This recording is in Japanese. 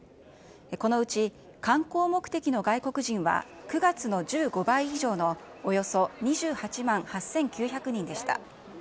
このうち観光目的の外国人は、９月の１５倍以上のおよそ２８万８９００人でした。